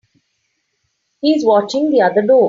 He's watching the other door.